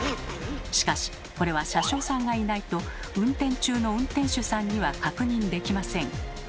しかしこれは車掌さんがいないと運転中の運転手さんには確認できません。